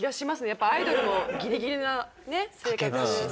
やっぱアイドルもギリギリな生活。